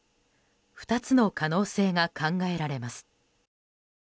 ２つの可能性が考えられます。